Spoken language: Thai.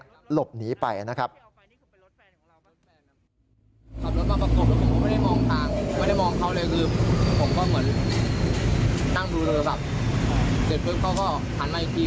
ตั้งดูเลยแบบเสร็จึ๊บเขาก็ทนไปอีกที